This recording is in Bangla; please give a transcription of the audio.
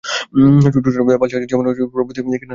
ছোট ছোট পাল-জাহাজ, যেমন হুড়ি প্রভৃতি, কিনারায় বাণিজ্য করে।